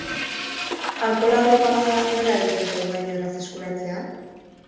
Alkohola droga bada, nola egiten zaigu hain erraz eskuratzea?